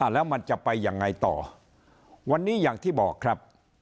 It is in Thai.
แล้วมันจะไปยังไงต่อวันนี้อย่างที่บอกครับ